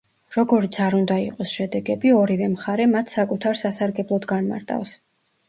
როგორიც არ უნდა იყოს შედეგები, ორივე მხარე მათ საკუთარ სასარგებლოდ განმარტავს.